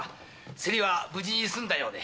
競りは無事に済んだようで。